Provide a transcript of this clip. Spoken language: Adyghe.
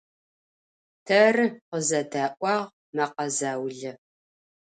Terı, - khızeda'uağ mekhe zaule.